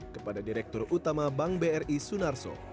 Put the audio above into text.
kepada direktur utama bank bri sunarso